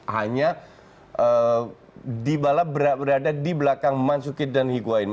hanya dybala berada di belakang mansukit dan higuain